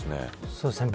そうですね。